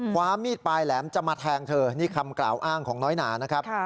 ความมีดปลายแหลมจะมาแทงเธอนี่คำกล่าวอ้างของน้อยหนานะครับ